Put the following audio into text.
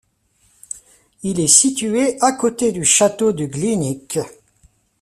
Il est situé à côté du château de Glienicke.